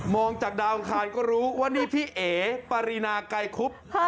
จากดาวอังคารก็รู้ว่านี่พี่เอ๋ปารีนาไกรคุบ